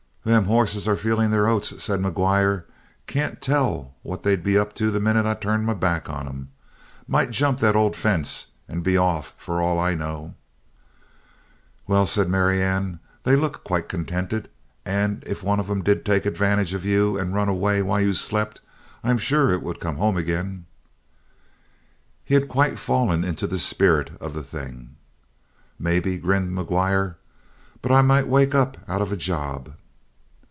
"Them hosses are feeling their oats," said McGuire. "Can't tell what they'd be up to the minute I turned my back on 'em. Might jump that old fence and be off, for all I know." "Well," said Marianne, "they look quite contented. And if one of them did take advantage of you and run away while you slept, I'm sure it would come home again." He had quite fallen into the spirit of the thing. "Maybe," grinned McGuire, "but I might wake up out of a job."